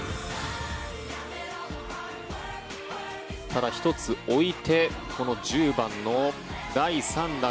ただ、１つ置いてこの１０番の第３打。